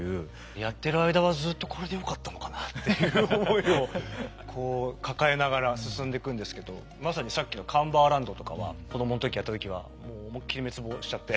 やってる間はずと「これでよかったのかな」っていう思いをこう抱えながら進んでいくんですけどまさにさっきのカンバーランドとかは子供の時やった時はもう思いっきり滅亡しちゃって。